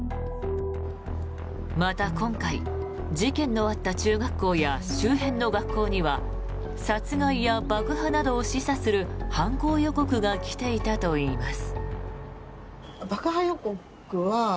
また今回、事件のあった中学校や周辺の学校には殺害や爆破などを示唆する犯行予告が来ていたといいます。